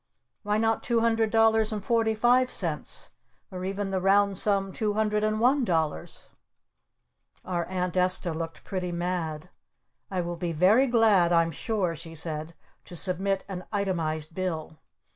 Why not two hundred dollars and forty five cents? Or even the round sum two hundred and one dollars?" Our Aunt Esta looked pretty mad. "I will be very glad I'm sure," she said, "to submit an itemized bill."